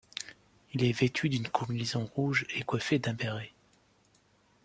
Il est vêtu d'une combinaison rouge et coiffé d'un bérêt.